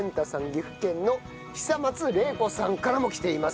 岐阜県の久松玲子さんからも来ています。